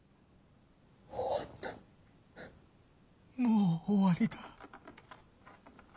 もう終わりだ。